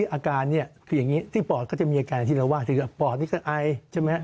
อาการนี้คืออย่างนี้ที่ป่อดก็จะมีอาการอย่างที่เราว่าที่ป่อดนี่คือไอใช่ไหมครับ